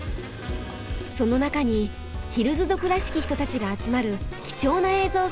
その中にヒルズ族らしき人たちが集まる貴重な映像がありました。